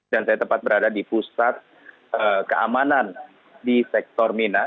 dan saya tepat berada di pusat keamanan di sektor mina